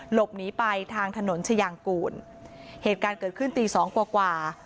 หลบหนีไปทางถนนชายางกูลเหตุการณ์เกิดขึ้นตีสองกว่ากว่า